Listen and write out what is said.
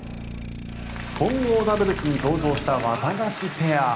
混合ダブルスに出場したワタガシペア。